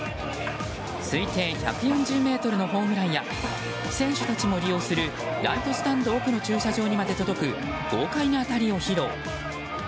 推定１４０ｍのホームランや選手たちも利用するライトスタンド奥の駐車場まで届く豪快な当たりを披露。